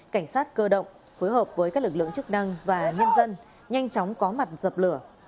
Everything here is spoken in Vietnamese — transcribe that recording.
cảnh sát cơ động phối hợp với các lực lượng chức năng và nhân dân nhanh chóng có mặt dập lửa